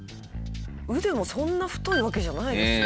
腕もそんな太いわけじゃないですよ。